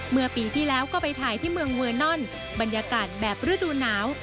เมื่อปีที่แล้วก็ไปถ่ายที่เมืองเวอร์นอนบรรยากาศแบบฤดูหนาว